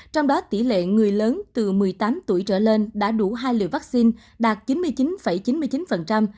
trong đó tỷ lệ người lớn từ một mươi tám tuổi trở lên đã đủ hai liều vaccine đạt chín mươi chín chín mươi chín